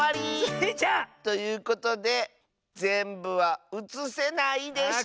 スイちゃん！ということでぜんぶはうつせないでした！